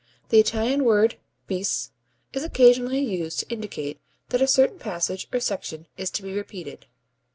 The Italian word bis is occasionally used to indicate that a certain passage or section is to be repeated.